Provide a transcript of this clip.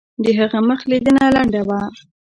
د هغه مخ لیدنه لنډه وه.